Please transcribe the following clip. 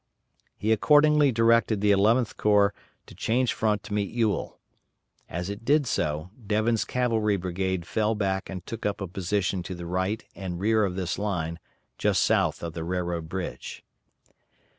He accordingly directed the Eleventh Corps to change front to meet Ewell. As it did so, Devin's cavalry brigade fell back and took up a position to the right and rear of this line just south of the railroad bridge.